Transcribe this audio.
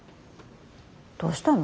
どうしたの？